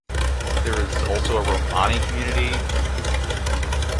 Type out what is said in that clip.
There is also a Romani community.